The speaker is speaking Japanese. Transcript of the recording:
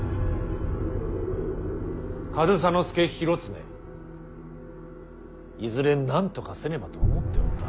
上総介広常いずれなんとかせねばと思っておった。